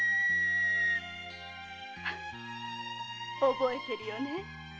覚えてるよね？